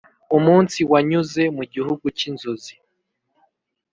umunsi wanyuze mu gihugu cyinzozi.